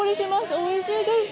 おいしいです。